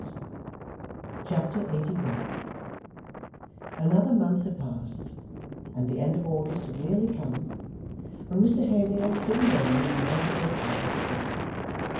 Chapter 81 Another month had passed, and the end of August had nearly come, when Mr Haredale stood alone in the mail coach office at Bristol.